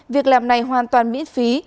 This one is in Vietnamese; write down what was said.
việc làm này hoàn toàn miễn phí